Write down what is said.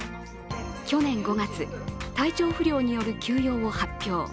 去年５月、体調不良による休養を発表。